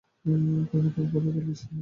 করমর্দন করে খালিদ স্বীয় অশ্বে চড়ে বসেন।